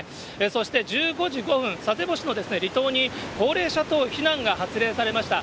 そして、１５時５分、佐世保市の離島に高齢者等避難が発令されました。